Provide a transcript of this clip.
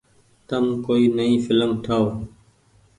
تم ڪوئي نئي ڦلم ٺآئو ۔